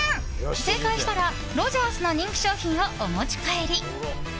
正解したらロヂャースの人気商品をお持ち帰り。